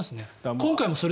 今回も。